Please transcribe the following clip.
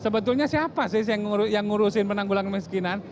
sebetulnya siapa sih yang ngurusin penanggulangan kemiskinan